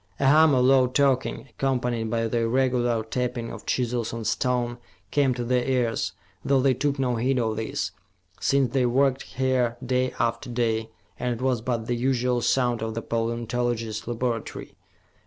A hum of low talking, accompanied by the irregular tapping of chisels on stone, came to their ears, though they took no heed of this, since they worked here day after day, and it was but the usual sound of the paleontologists' laboratory.